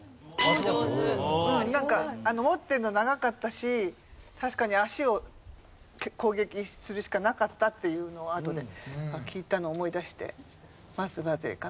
なんか持ってるの長かったし確かに足を攻撃するしかなかったっていうのをあとで聞いたのを思い出して松葉杖かな。